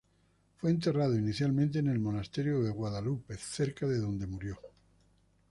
Fue enterrado inicialmente en el Monasterio de Guadalupe, cerca de donde murió.